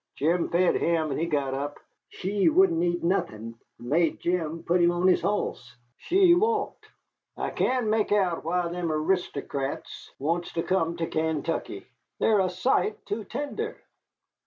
Jim fed him, and he got up. She wouldn't eat nothin', and made Jim put him on his hoss. She walked. I can't mek out why them aristocrats wants to come to Kaintuckee. They're a sight too tender."